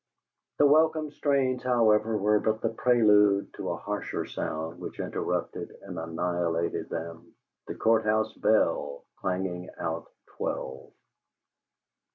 The welcome strains, however, were but the prelude to a harsher sound which interrupted and annihilated them: the Court house bell clanging out twelve.